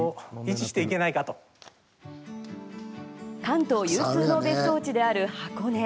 関東有数の別荘地である箱根。